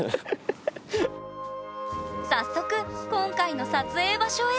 早速今回の撮影場所へ！